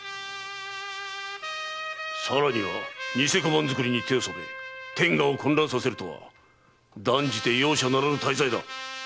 さらには偽小判造りに手を染め天下を混乱させるとは断じて容赦ならぬ大罪だ。